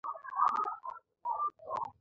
پنځلسم ځل دی چې راځم.